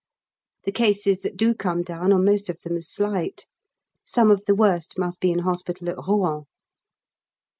The cases that do come down are most of them slight. Some of the worst must be in hospital at Rouen.